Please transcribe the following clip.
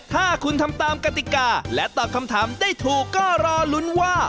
ถ้าคุณทำตามกติกาและตอบคำถามได้ถูกก็รอลุ้นว่า